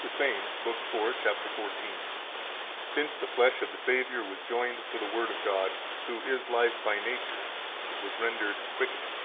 122 The same, lib. 4, cap 14 (p. 201): "Since the flesh of the Savior was joined to the Word of God, who is Life by nature, it was rendered quickening."